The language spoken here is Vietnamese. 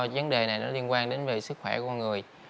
vấn đề này liên quan đến sức khỏe con người